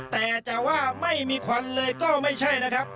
แต่จะว่าไม่มีควันเลยก็ไม่ใช่นะครับ